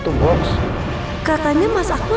tidak ada apa apa